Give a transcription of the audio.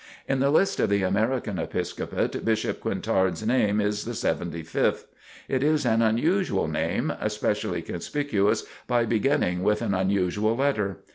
In the list of the American Episcopate, Bishop Quintard's name is the seventy fifth. It is an unusual name, especially conspicuous by beginning with an unusual letter.